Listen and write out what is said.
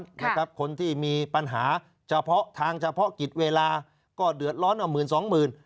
นะครับคนที่มีปัญหาเฉพาะทางเฉพาะกิจเวลาก็เดือดร้อนเอาหมื่นสองหมื่น